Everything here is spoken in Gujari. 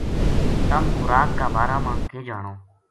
تم خوراک کا بارہ ما کے جانو“